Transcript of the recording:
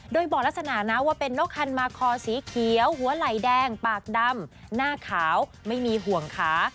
โดยบอกลักษณะนะว่าเป็นนกคันมาคอสีเขียวหัวไหล่แดงปากดำหน้าขาวไม่มีห่วงขา